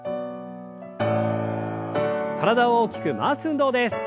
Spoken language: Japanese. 体を大きく回す運動です。